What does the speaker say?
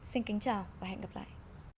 xin kính chào và hẹn gặp lại